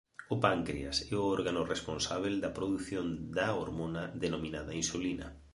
O páncreas é o órgano responsábel da produción da hormona denominada insulina.